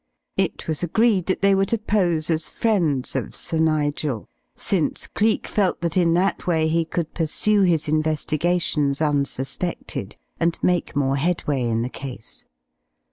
It was agreed that they were to pose as friends of Sir Nigel, since Cleek felt that in that way he could pursue his investigations unsuspected, and make more headway in the case.